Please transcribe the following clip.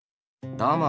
どうも。